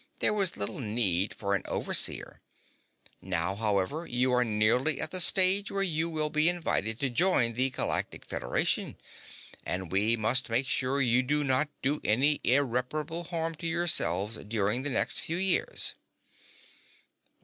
There was little need for an Overseer. Now, however, you are nearly at the stage where you will be invited to join the Galactic Federation. And we must make sure you do not do any irreparable harm to yourselves during the next few years."